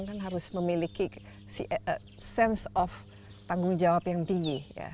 kan harus memiliki sense of tanggung jawab yang tinggi